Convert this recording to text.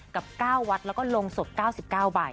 กับ๙วัดแล้วก็ลงศพ๙๙ใบ